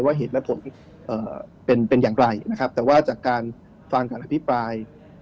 ว่าเหตุและผลเป็นอย่างไรแต่ว่าจากการฟังการอธิปราย